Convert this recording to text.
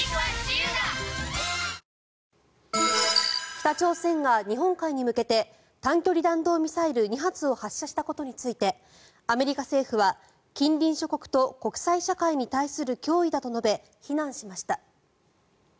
北朝鮮が日本海に向けて短距離弾道ミサイル２発を発射したことについてアメリカ政府は近隣諸国と国際社会に対する脅威だと述べ、非難しました。